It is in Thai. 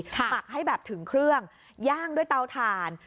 หมักให้แบบถึงเครื่องย่างด้วยเตาถ่าน